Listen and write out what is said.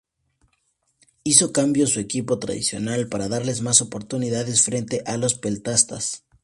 Hizo cambios su equipo tradicional para darles más oportunidades frente a los peltastas.